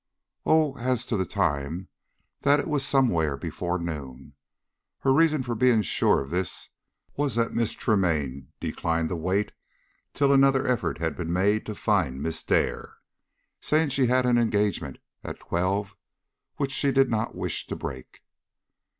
"Oh, as to the time, that it was somewhere before noon. Her reason for being sure of this was that Miss Tremaine declined to wait till another effort had been made to find Miss Dare, saying she had an engagement at twelve which she did not wish to break."